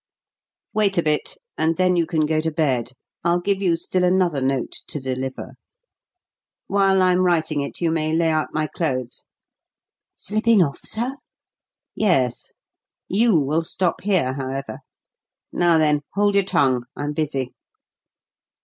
"Wait a bit, and then you can go to bed. I'll give you still another note to deliver. While I'm writing it you may lay out my clothes." "Slipping off, sir?" "Yes. You will stop here, however. Now, then, hold your tongue; I'm busy."